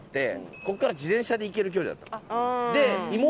こっから自転車で行ける距離だったの。